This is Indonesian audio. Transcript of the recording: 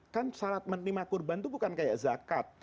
kan syarat menerima kurban itu bukan kayak zakat